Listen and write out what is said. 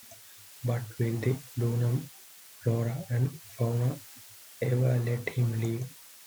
But will the lunar flora and fauna ever let him leave?